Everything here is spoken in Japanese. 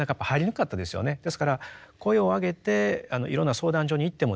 ですから声を上げていろんな相談所に行ってもですね